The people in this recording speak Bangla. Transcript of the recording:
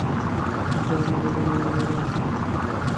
নিসার আলি বললেন, আমি বরং সন্ধ্যার দিকে একবার আসি।